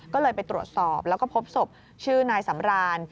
ก็เลยไปตรวจสอบแล้วก็พบศพชื่อนายสำราน